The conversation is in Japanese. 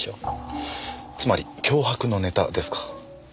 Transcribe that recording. つまり脅迫のネタですか。